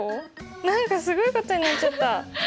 何かすごいことになっちゃった！